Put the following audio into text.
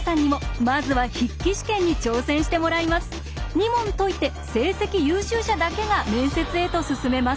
２問解いて成績優秀者だけが面接へと進めます。